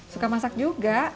suka masak juga